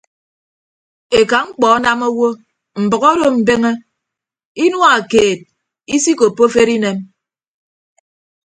Eka mkpọ anam owo mbʌk odo mbeñe inua keed isikoppo afere inem.